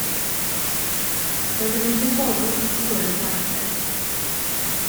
Roedden nhw wrth eu bodd yn clywed amdanat ti.